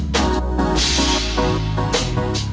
ขอบคุณครับ